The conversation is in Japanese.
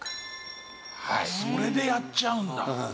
それでやっちゃうんだ。